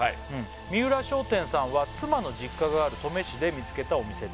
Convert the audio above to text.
「三浦商店さんは妻の実家がある登米市で見つけたお店で」